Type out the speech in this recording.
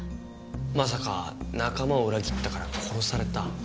まさか仲間を裏切ったから殺された。